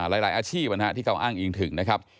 หลายอาชีพที่เขาอ้างอิงถึงนะครับ